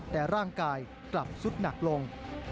แต่ร่างกายกลับสุดหนักลง